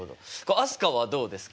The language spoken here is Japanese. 飛鳥はどうですか？